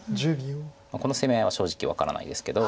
この攻め合いは正直分からないですけど。